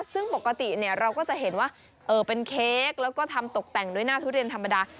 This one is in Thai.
ซึ่งปกติเราก็จะเห็นว่าเป็นเค้กแล้วก็ทำตกแต่งด้วยหน้าทุเรียนธรรมดา